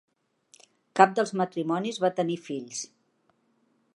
Cap dels matrimonis va tenir fills.